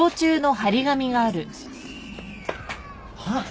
はっ！？